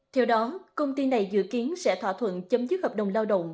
theo đó công ty này dự kiến sẽ thỏa thuận chấm dứt hợp đồng lao động